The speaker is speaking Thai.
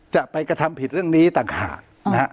จะไปกระทำผิดเรื่องนี้ต่างหากนะฮะ